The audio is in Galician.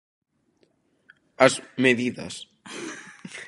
As medidas.